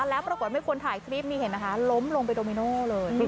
แล้วปรากฏมีคนถ่ายคลิปนี่เห็นนะคะล้มลงไปโดมิโน่เลย